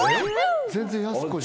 全然やす子じゃ。